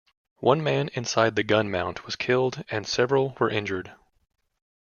One man inside the gun mount was killed and several were injured.